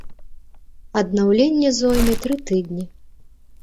Аднаўленне зойме тры тыдні.